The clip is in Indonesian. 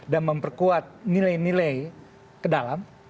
dan memperkuat nilai nilai ke dalam